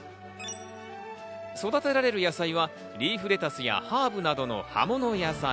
育てられる野菜はリーフレタスやハーブなどの葉物野菜。